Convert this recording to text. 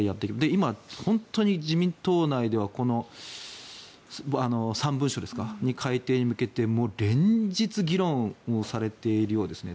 今、本当に自民党内では３文書の改定に向けて連日、議論をされているようですね。